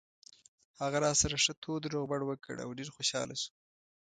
هغه راسره ښه تود روغبړ وکړ او ډېر خوشاله شو.